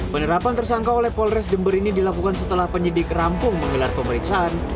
penerapan tersangka oleh polres jember ini dilakukan setelah penyidik rampung menggelar pemeriksaan